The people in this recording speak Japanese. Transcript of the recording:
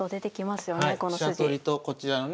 飛車取りとこちらのね